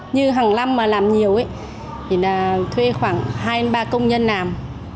như hàng năm mà làm nhiều thì là thuê khoảng hai ba công nhân làm